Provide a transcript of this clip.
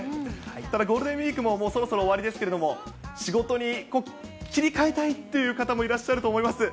ただ、ゴールデンウィークもそろそろ終わりですけれども、仕事に切り替えたいという方もいらっしゃると思います。